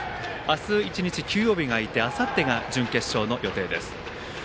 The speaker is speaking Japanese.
あした、１日休養日が空いてあさって、準決勝の予定です。